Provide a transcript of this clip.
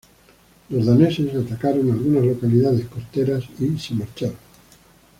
Los daneses atacaron algunas localidades costeras y se marcharon.